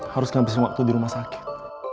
harus ngabisin waktu di rumah sakit